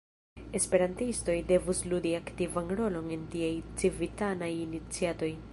Esperantistoj devus ludi aktivan rolon en tiaj civitanaj iniciatoj.